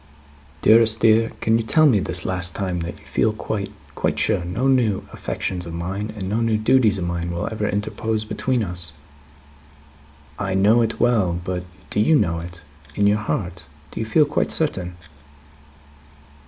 "Dearest dear! Can you tell me, this last time, that you feel quite, quite sure, no new affections of mine, and no new duties of mine, will ever interpose between us? I know it well, but do you know it? In your own heart, do you feel quite certain?"